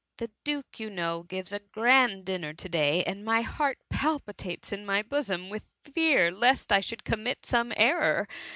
The^ duke, you know, gives a grand dinner to day, and my heart palpitates in my bosom with fear lest I should commit some error.